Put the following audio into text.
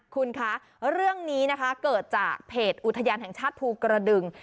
คุณคะเรื่องนี้นะคะเกิดจากเพจอุทยานแห่งชาติภูกระดึง